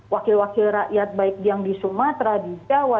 wakil wakil rakyat baik yang di sumatera di jawa